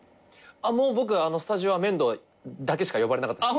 もう僕スタジオは面堂だけしか呼ばれなかったです。